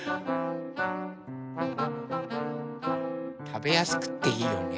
たべやすくていいよね。